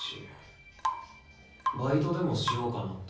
バイトでもしようかなって。